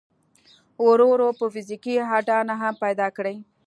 ورو ورو به فزيکي اډانه هم پيدا کړي.